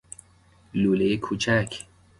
لولۀ کوچک